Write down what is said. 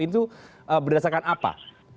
itu berdasarkan apa